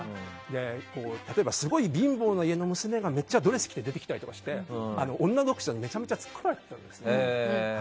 例えば、すごい貧乏の家の娘がめっちゃドレス着て出てきたりして女読者にツッコまれてたんですね。